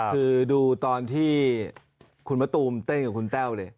คือดูตอนที่คุณมะตูมเต้นกับคุณแต้วเนี่ย